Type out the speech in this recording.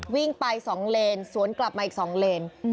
วิ่งไป๒เลนสวนกลับมาอีก๒เลน